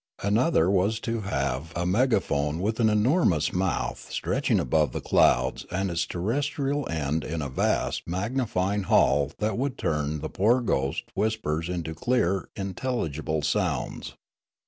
Another was to have a megaphone with an enormous mouth stretching above the clouds and its terrestrial end in a vast magnifying hall that would turn the poor ghost whispers into clear, intelligible sounds.